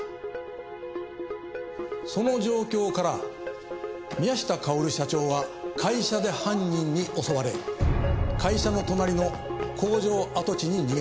その状況から宮下薫社長は会社で犯人に襲われ会社の隣の工場跡地に逃げ込んだ。